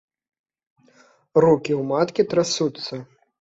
Рукі ў маткі трасуцца.